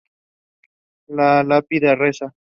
La lápida reza